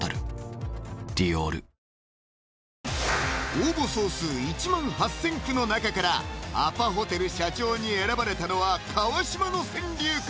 応募総数１万８０００句の中からアパホテル社長に選ばれたのは川島の川柳か？